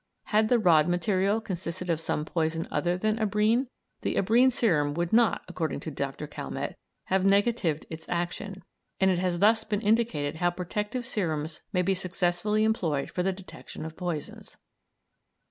Had the "rod material" consisted of some poison other than abrine, the abrine serum would not, according to Dr. Calmette, have negatived its action, and it has thus been indicated how protective serums may be successfully employed for the detection of poisons.